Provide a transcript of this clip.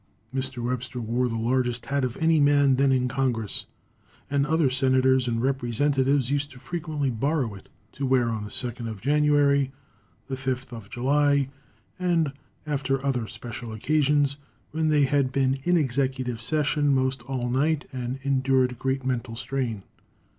Mr. Webster wore the largest hat of any man then in Congress, and other senators and representatives used to frequently borrow it to wear on the 2nd of January, the 5th of July, and after other special occasions, when they had been in executive session most all night and endured great mental strain.